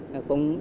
không có mùi mấy